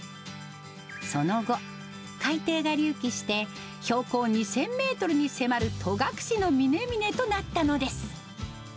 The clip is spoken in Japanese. その後、海底が隆起して、標高２０００メートルに迫る戸隠の峰々となったのです。